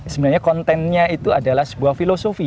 sebenarnya kontennya itu adalah sebuah filosofi